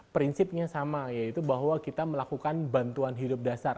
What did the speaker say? prinsipnya sama yaitu bahwa kita melakukan bantuan hidup dasar